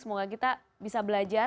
semoga kita bisa belajar